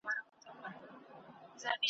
دوهم دا چي څوک آفت وي د دوستانو ,